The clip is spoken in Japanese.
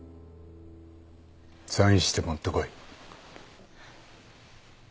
サインして持ってこい。